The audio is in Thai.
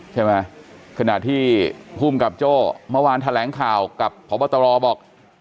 ขณะที่ภูมิกับโจ้เมื่อวานแถลงข่าวกับพบตรบอก